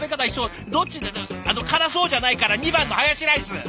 どっち辛そうじゃないから２番のハヤシライス！